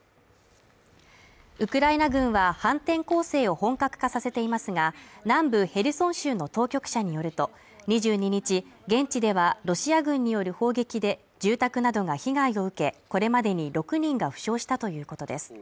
ウクライナ軍は反転攻勢を本格化させていますが、南部ヘルソン州の当局者によると２２日現地では、ロシア軍による砲撃で住宅などが被害を受け、これまでに６人が負傷したということです。